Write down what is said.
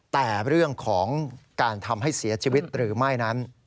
แต่เรื่องของการทำให้เสียชีวิตหรือไม่นั้น